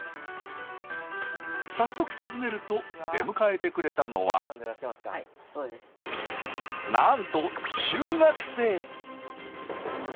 早速訪ねると出迎えてくれたのはなんと中学生！